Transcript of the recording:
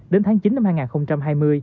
đến tháng chín năm hai nghìn hai mươi